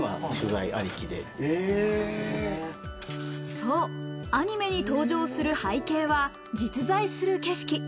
そう、アニメに登場する背景は実在する景色。